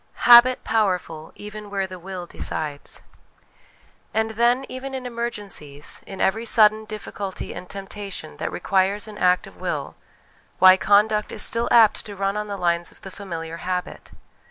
Habit powerful even where the Will decides. And then, even in emergencies, in every sudden difficulty and temptation that requires an act of will, why, conduct is still apt to run on the lines of the familiar habit.